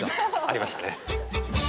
ありましたね。